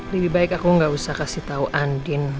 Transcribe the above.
lebih baik aku gak usah kasih tahu andin